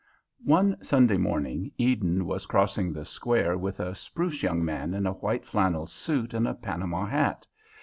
V One Sunday morning Eden was crossing the Square with a spruce young man in a white flannel suit and a panama hat.